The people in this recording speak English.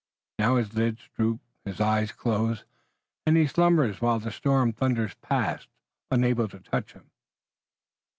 Now his lids droop, his eyes close, and he slumbers while the storm thunders past, unable to touch him."